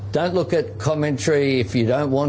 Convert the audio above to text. jangan melihat komentar jika anda tidak ingin